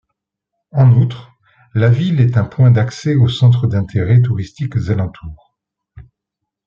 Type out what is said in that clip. En outre, la ville est un point d'accès aux centres d'intérêt touristiques alentour.